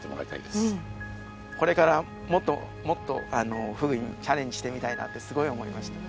これからもっともっとフグにチャレンジしてみたいなってすごい思いました。